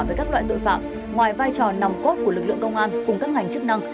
với các loại tội phạm ngoài vai trò nòng cốt của lực lượng công an cùng các ngành chức năng